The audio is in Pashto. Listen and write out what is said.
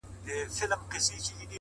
o خدایه زموږ ژوند په نوي کال کي کړې بدل؛